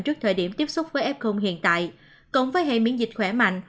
trước thời điểm tiếp xúc với f hiện tại cộng với hệ miễn dịch khỏe mạnh